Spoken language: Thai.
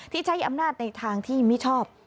ที่ใช้อำนาจในทางที่มิชอบ